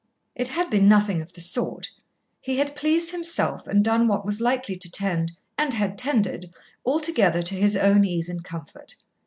It had been nothing of the sort. He had pleased himself and done what was likely to tend, and had tended, altogether to his own ease and comfort.